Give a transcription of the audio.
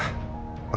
tidak ada apa apa